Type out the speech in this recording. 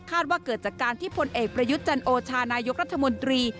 ว่าเกิดจากการที่พลเอกประยุทธ์จันโอชานายกรัฐมนตรี